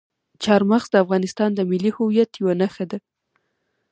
چار مغز د افغانستان د ملي هویت یوه نښه ده.